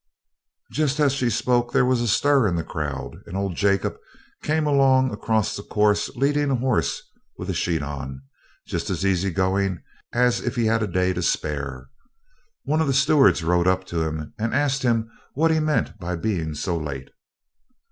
Just as she spoke there was a stir in the crowd, and old Jacob came along across the course leading a horse with a sheet on, just as easy going as if he'd a day to spare. One of the stewards rode up to him, and asked him what he meant by being so late.